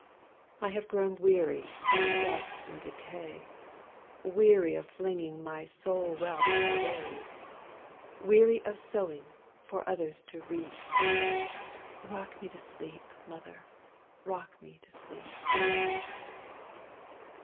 I have grown weary of dust and decay,—Weary of flinging my soul wealth away; Weary of sowing for others to reap;—Rock me to sleep, mother,—rock me to sleep!